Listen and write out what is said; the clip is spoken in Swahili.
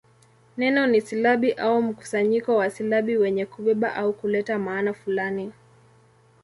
Neno ni silabi au mkusanyo wa silabi wenye kubeba au kuleta maana fulani.